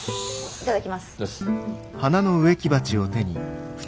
いただきます。